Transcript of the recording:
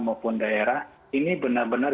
maupun daerah ini benar benar